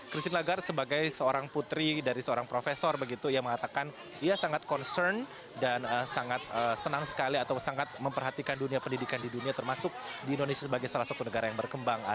christine lagarde sebagai seorang putri dari seorang profesor begitu ia mengatakan ia sangat concern dan sangat senang sekali atau sangat memperhatikan dunia pendidikan di dunia termasuk di indonesia sebagai salah satu negara yang berkembang